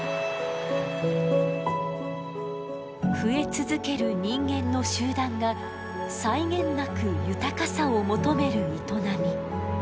増え続ける人間の集団が際限なく豊かさを求める営み。